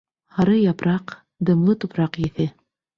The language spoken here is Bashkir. Һары япраҡ, дымлы тупраҡ еҫе...